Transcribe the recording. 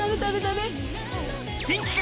新企画！